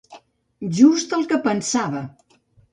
Just el que pensava!